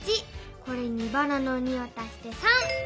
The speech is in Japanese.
これにばらの２をたして３！